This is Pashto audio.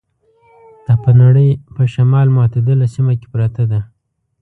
دا په نړۍ په شمال متعدله سیمه کې پرته ده.